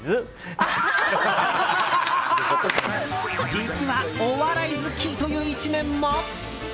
実はお笑い好きという一面も？